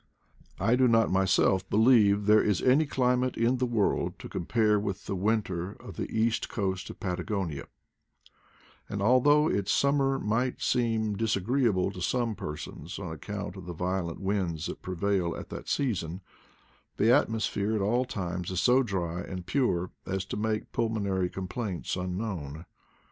I do not myself believe there is any climate in the world to compare with the winter of the east coast of Patagonia; and although its summer might seem disagreeable to some persons on account of the violent winds that prevail at that season, the atmosphere at all times is so dry and pure as to make pulmonary complaints unknown.